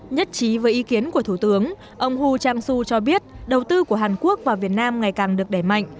nhất trí với ý kiến của thủ tướng ông hu trang su cho biết đầu tư của hàn quốc vào việt nam ngày càng được đẩy mạnh